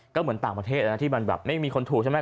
ก็เหมือนต่างประเทศนะที่มันแบบไม่มีคนถูกใช่ไหม